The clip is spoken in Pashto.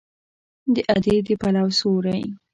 د ادې د پلو سیوری